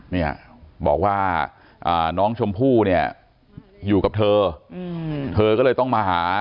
เนี่ยบอกว่าน้องชมพู่เนี่ยอยู่กับเธอเธอก็เลยต้องมาหา